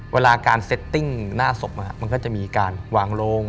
เวลาการเซตติ้งหน้าศพมันก็จะมีการวางโรง